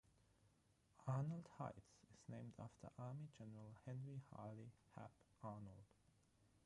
Arnold Heights is named after Army General Henry Harley "Hap" Arnold.